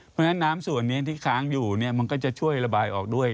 เพราะฉะนั้นน้ำส่วนนี้ที่ค้างอยู่มันก็จะช่วยระบายออกด้วย